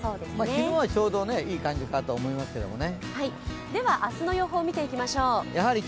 昼はちょうどいい感じかと思いますけどね。